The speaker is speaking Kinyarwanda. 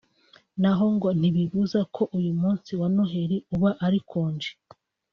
naho ngo ntibibuza ko uyu munsi wa Noheli uba ari konji